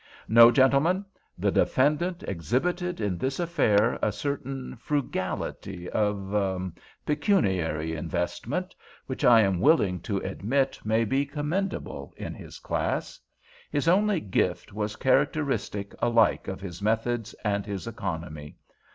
No! gentlemen! The defendant exhibited in this affair a certain frugality of—er—pecuniary investment, which I am willing to admit may be commendable in his class. His only gift was characteristic alike of his methods and his economy.